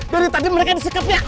dari tadi mereka disikap ya